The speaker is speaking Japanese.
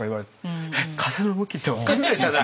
「えっ？風の向き？」って分かんないじゃない。